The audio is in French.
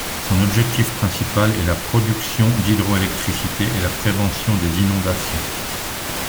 Son objectif principal est la production d'hydro-électricité et la prévention des inondations.